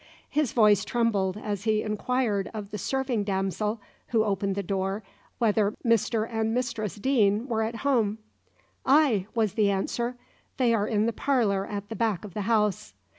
His voice trembled as he inquired of the serving damsel who opened the door whether Mr and Mistress Deane were at home. "Ay," was the answer, "they are in the parlour at the back of the house."